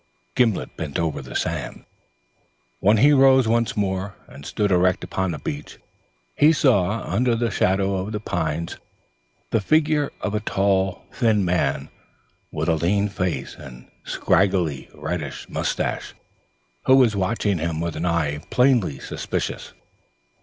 Gimblet bent over the sand. When he rose once more and stood erect upon the beach, he saw under the shadow of the pines the figure of a tall thin man with a lean face and straggling reddish moustache, who was watching him with an eye plainly suspicious.